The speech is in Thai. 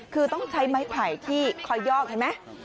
คือต้องใช้ไม้ไผ่ที่คอยยอกเห็นไหม